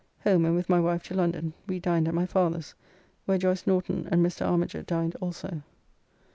Home and with my wife to London, we dined at my father's, where Joyce Norton and Mr. Armiger dined also.